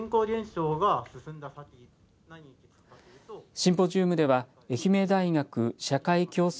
シンポジウムでは愛媛大学社会共創